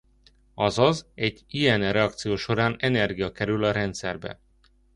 Azaz egy ilyen reakció során energia kerül a rendszerbe.